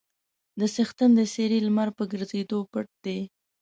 د څښتن د څېرې لمر په ګرځېدو پټ دی.